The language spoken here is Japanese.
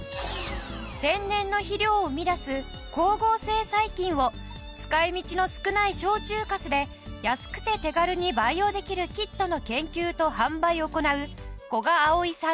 天然の肥料を生み出す光合成細菌を使い道の少ない焼酎粕で安くて手軽に培養できるキットの研究と販売を行う古賀碧さん